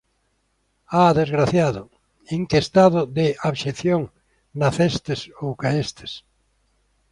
Ah, desgraciado, en que estado de abxección nacestes ou caestes!